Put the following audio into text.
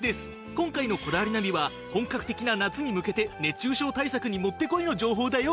今回の『こだわりナビ』は本格的な夏に向けて熱中症対策にもってこいの情報だよ！